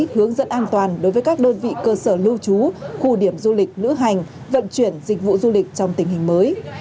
hướng dẫn an toàn đối với các đơn vị cơ sở lưu trú khu điểm du lịch lữ hành vận chuyển dịch vụ du lịch trong tình hình mới